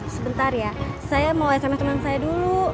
sebentar ya saya mau sms temen saya dulu